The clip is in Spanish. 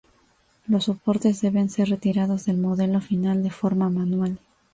Los soportes deben ser retirados del modelo final de forma manual.